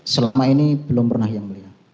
selama ini belum pernah yang mulia